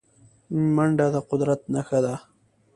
منډه د قدرت نښه ده